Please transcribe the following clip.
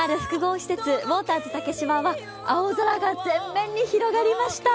ウォーターズ竹芝は青空が全面に広がりました。